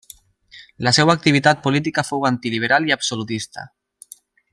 La seva activitat política fou antiliberal i absolutista.